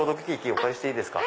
お借りしていいですか？